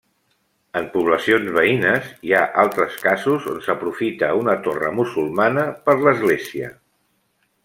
En poblacions veïnes hi ha altres casos on s'aprofita una torre musulmana per l'església.